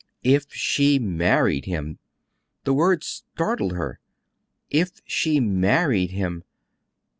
"If she married him." The words startled her. "If she married him."...